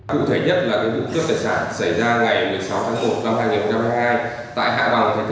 cụ thể nhất là cái vụ cướp tài sản xảy ra ngày một mươi sáu tháng một năm hai nghìn hai mươi hai